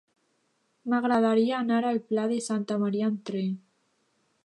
M'agradaria anar al Pla de Santa Maria amb tren.